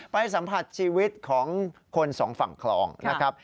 สัมผัสชีวิตของคนสองฝั่งคลองนะครับ